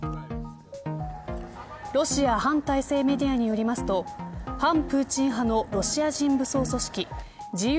ロシア反体制メディアによりますと反プーチン派のロシア人武装組織自由